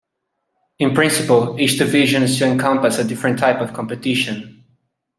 In principle, each division is to encompass a different type of competition.